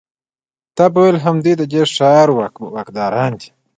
تا به ویل همدوی د دې ښار واکداران دي.